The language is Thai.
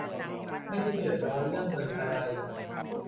ไม่ได้เดือดร้อนเรื่องเงินอะไร